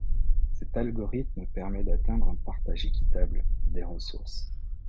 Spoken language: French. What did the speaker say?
Cet algorithme permet d'atteindre un partage équitable des ressources.